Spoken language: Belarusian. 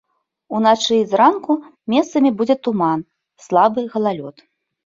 Уначы і зранку месцамі будзе туман, слабы галалёд.